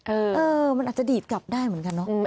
เออมันอาจจะดีดกลับได้เหมือนกันเนอะ